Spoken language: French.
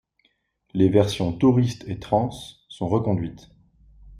Les versions Tourist et Trans sont reconduites.